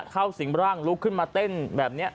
สิ่งร่างลุกขึ้นมาเต้นแบบนี้